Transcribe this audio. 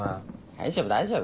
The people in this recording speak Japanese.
大丈夫大丈夫。